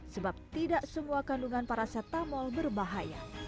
sebab tidak semua kandungan paracetamol berbahaya